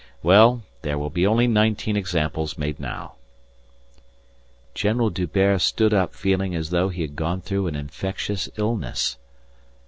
Well, there will be only nineteen examples made now." General D'Hubert stood up feeling as though he had gone through an infectious illness.